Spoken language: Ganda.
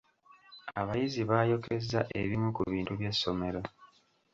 Abayizi baayokezza ebimu ku bintu by’essomero.